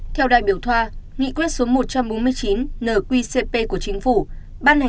theo đại biểu thoa nghị quyết số một trăm bốn mươi chín nqcp của chính phủ